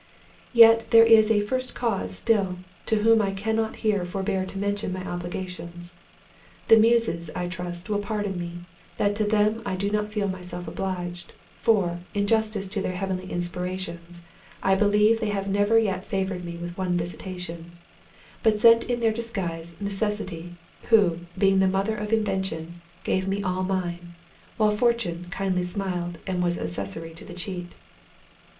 Yet, there is a first cause still, to whom I cannot here forbear to mention my obligations. The Muses, I trust, will pardon me, that to them I do not feel myself obliged—for, in justice to their heavenly inspirations, I believe they have never yet favoured me with one visitation; but sent in their disguise NECESSITY, who, being the mother of Invention, gave me all mine—while FORTUNE kindly smiled, and was accessory to the cheat.